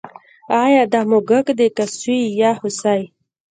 ایا دا موږک دی که سوی یا هوسۍ